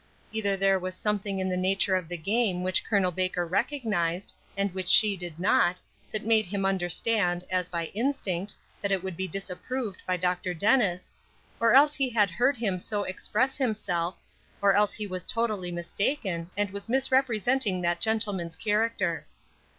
Either there was something in the nature of the game which Col. Baker recognized, and which she did not, that made him understand, as by instinct, that it would be disapproved by Dr. Dennis, or else he had heard him so express himself, or else he was totally mistaken, and was misrepresenting that gentleman's character.